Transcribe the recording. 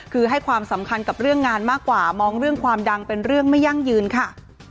คือให้ความสำคัญกับเรื่องงานมากกว่ามองเรื่องความดังเป็นเรื่องไม่ยั่งยืนค่ะ